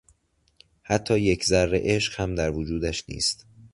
حتی یک ذره عشق هم در وجودش نیست.